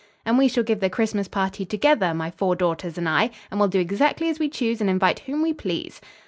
"And we shall give the Christmas party together, my four daughters and I, and we'll do exactly as we choose and invite whom we please."